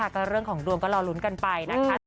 ก็เรื่องของดวงก็รอลุ้นกันไปนะคะ